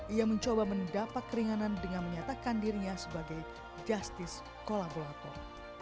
ia mencoba mendapat keringanan dengan menyatakan dirinya sebagai justice kolaborator